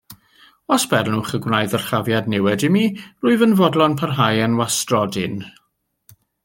Os bernwch y gwnai ddyrchafiad niwed i mi, rwyf yn fodlon parhau yn wastrodyn.